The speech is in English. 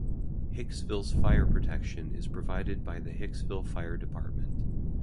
Hicksville's fire protection is provided by the Hicksville Fire Department.